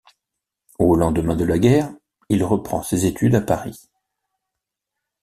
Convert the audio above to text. Au lendemain de la guerre, il reprend ses études à Paris.